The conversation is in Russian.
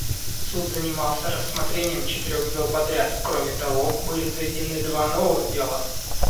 Суд занимался рассмотрением четырех дел подряд; кроме того, были заведены два новых дела.